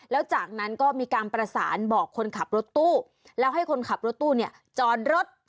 แล้วจากนั้นก็มีการประสานบอกคนขับรถตู้แล้วให้คนขับรถตู้เนี่ยจอดรถ